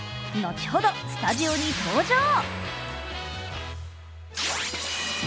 後ほどスタジオに登場。